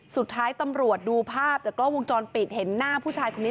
สุดท้ายตำรวจดูภาพจากกล้องวงจรปิดเห็นหน้าผู้ชายคนนี้